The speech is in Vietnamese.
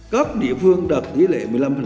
các địa phương đạt tỷ lệ một mươi năm